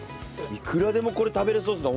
いくらでもこれ食べれそうですね